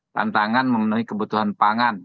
tantangan memenuhi kebutuhan pangan